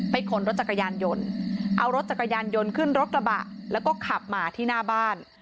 ขนรถจักรยานยนต์เอารถจักรยานยนต์ขึ้นรถกระบะแล้วก็ขับมาที่หน้าบ้าน